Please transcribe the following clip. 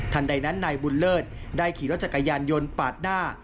ใดนั้นนายบุญเลิศได้ขี่รถจักรยานยนต์ปาดหน้า